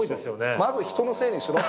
まず人のせいにしろと。